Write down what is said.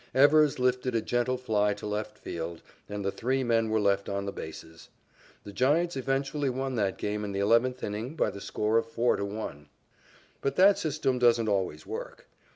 Evers lifted a gentle fly to left field and the three men were left on the bases. The Giants eventually won that game in the eleventh inning by the score of 4 to 1. But that system doesn't always work.